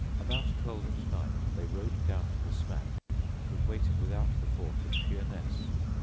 About twelve at night they rowed down to the smack, which was waiting without the fort at Sheerness.